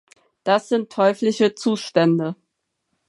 Das sind teuflische Zustände.